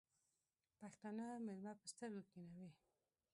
پښتانه مېلمه په سترگو کېنوي.